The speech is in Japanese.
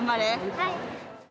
はい！